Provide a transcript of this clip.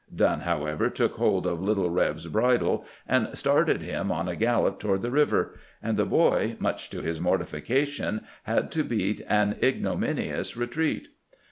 Dnnn, however, took hold of " Little Reb's " bridle, and started him on a gallop toward the river ; and the boy, much to his mortification, had to beat an ignominious retreat.